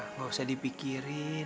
nggak usah dipikirin